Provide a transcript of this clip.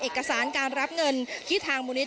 ทุกคนมีความสุขครับได้รับเงินเพราะว่าเขารอมานานแล้วนะครับ